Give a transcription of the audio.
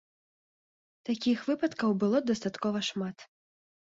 Такіх выпадкаў было дастаткова шмат.